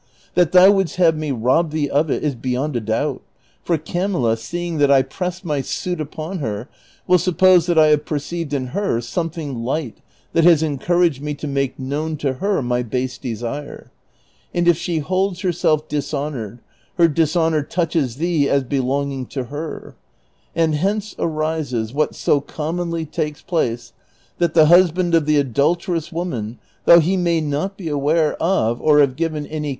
That thou wouldst have me rob thee of it is beyond a doubt, for Camilla, seeing that I press my suit upon her, will suppose that I have perceived in her something light that has encouraged me to make known to her my base desire; and if she holds herself dis honored, her dishonor touches thee as belonging to her; and hence arises what so commonly takes place, that the husband of the adul terous woman, though he may not be aware of or have given any CHAPTER XXXITI.